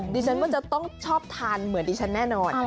ดิฉันว่าจะต้องชอบทานเหมือนดิฉันแน่นอน